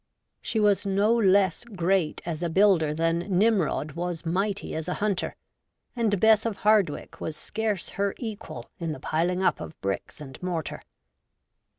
She was no less great as a builder than Nimrod was mighty as a hunter, and Bess of Hardwicke was scarce her equal in the piling up of bricks and mortar.